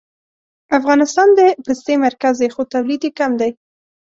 افغانستان د پستې مرکز دی خو تولید یې کم دی